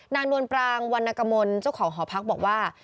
นวลปรางวรรณกมลเจ้าของหอพักบอกว่า